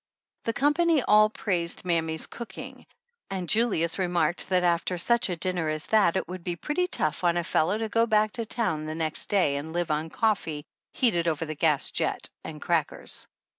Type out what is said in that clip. The company all praised mammy's cook ing and Julius remarked that after such a din ner as that it would be pretty tough on a fellow to go back to town the next day and live on coffee heated over the gas jet and crackers.